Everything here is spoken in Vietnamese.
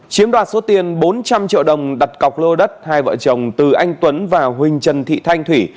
chiếm đoạt số tiền bốn trăm linh triệu đồng đặt cọc lô đất hai vợ chồng từ anh tuấn và huỳnh trần thị thanh thủy